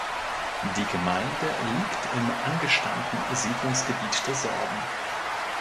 Die Gemeinde liegt im angestammten Siedlungsgebiet der Sorben.